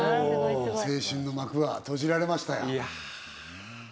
青春の幕は閉じられましたよ。